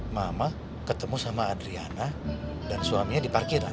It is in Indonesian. mama ketemu sama adriana dan suaminya di parkiran